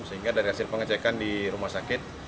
sehingga dari hasil pengecekan di rumah sakit